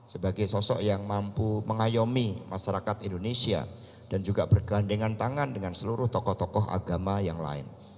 sebagai sosok yang mampu mengayomi masyarakat indonesia dan juga bergandengan tangan dengan seluruh tokoh tokoh agama yang lain